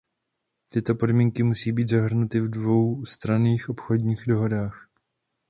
Tyto podmínky musí být zahrnuty v dvoustranných obchodních dohodách.